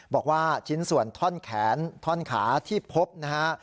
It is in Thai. บอกว่าชิ้นส่วนท่อนแขนท่อนขาที่พบนะฮะ